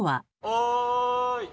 おい。